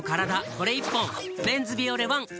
これ１本「メンズビオレＯＮＥ」